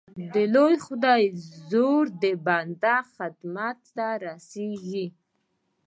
د لوی خدای زور د بنده خدمت ته را رسېږي.